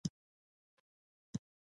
اندیښنه پرېږده د غوټۍ توکل زده کړه.